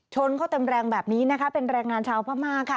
ชนเขาเต็มแรงแบบนี้นะคะเป็นแรงงานชาวพม่าค่ะ